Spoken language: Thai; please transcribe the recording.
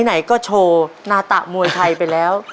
ไหนก็โชว์นาตะมวยไทยไปแล้ว